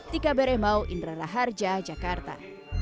tika bereh mau indra raharja jakarta